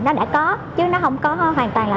nó đã có chứ nó không có hoàn toàn là